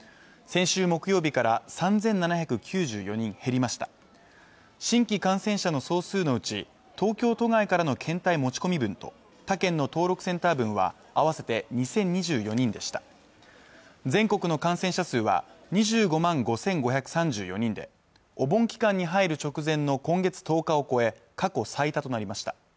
先週木曜日から３７９４人減りました新規感染者の総数のうち東京都外からの検体持ち込み分と他県の登録センター分は合わせて２０２４人でした全国の感染者数は２５万５５３４人でお盆期間に入る直前の今月１０日を超え過去最多となりました